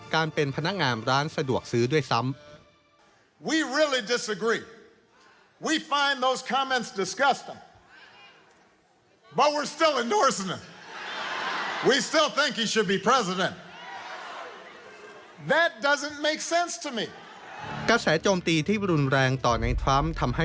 การเป็นพนักงานร้านสะดวกซื้อด้วยซ้ำ